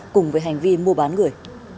cùng với hành vi mua bán gửi